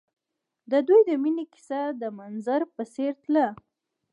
د دوی د مینې کیسه د منظر په څېر تلله.